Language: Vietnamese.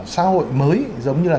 xã hội mới giống như là